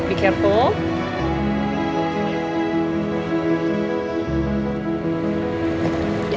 bukan aku harus ya